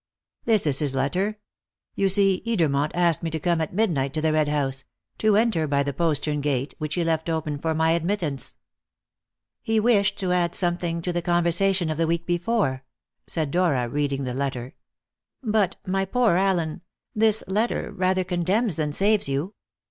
"This is his letter. You see, Edermont asked me to come at midnight to the Red House to enter by the postern gate, which he left open for my admittance." "He wished to add something to the conversation of the week before," said Dora, reading the letter. "But, my poor Allen, this letter rather condemns than saves you.